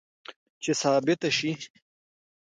چې ثابته شي